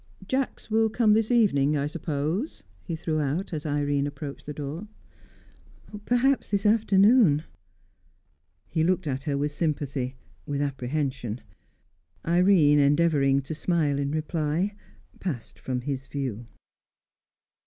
"Jacks will come this evening, I suppose?" he threw out, as Irene approached the door. "Perhaps this afternoon." He looked at her with sympathy, with apprehension. Irene endeavouring to smile in reply, passed from his view.